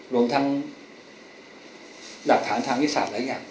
รวมทางดับฐานทางวิสัจหลายอย่าง